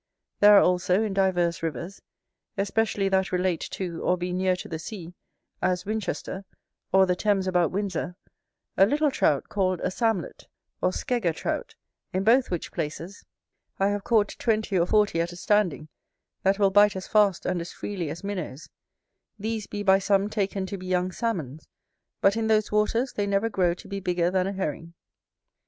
There are also, in divers rivers, especially that relate to, or be near to the sea, as Winchester, or the Thames about Windsor, a little Trout called a Samlet, or Skegger Trout, in both which places I have caught twenty or forty at a standing, that will bite as fast and as freely as Minnows: these be by some taken to be young Salmons; but in those waters they never grow to be bigger than a Herring.